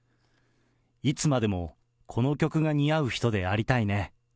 いつまでもこの曲が似合う人でありたいね。